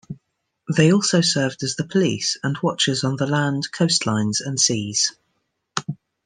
They also served as the police and watchers on the land, coastlines and seas.